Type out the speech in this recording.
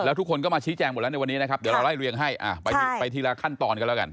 ทุกคนก็มาชี้แจงหมดแล้วในวันนี้นะครับเดี๋ยวเราไล่เรียงให้ไปทีละขั้นตอนกันแล้วกัน